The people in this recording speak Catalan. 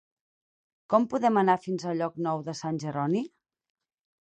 Com podem anar fins a Llocnou de Sant Jeroni?